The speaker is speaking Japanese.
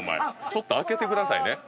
ちょっと開けてくださいね。